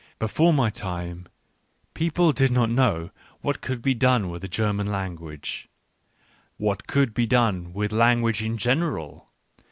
Before my time x t people did not know what could be done with the German language — what could be done with lan guage in general.